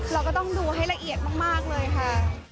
เราก็ต้องดูให้ละเอียดมากเลยค่ะ